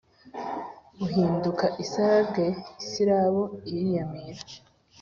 Uhinduka isarabwe isirabo iriyamira